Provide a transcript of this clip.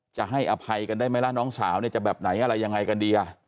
จะให้อภัยกันได้ไหมล่ะน้องสาวเนี่ยจะแบบไหนอะไรยังไงกันดี